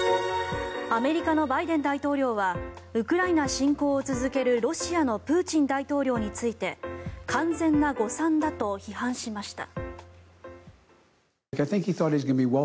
アメリカのバイデン大統領はウクライナ侵攻を続けるロシアのプーチン大統領について完全な誤算だと批判しました。